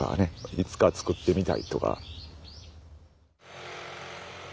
いつか作ってみたいとか。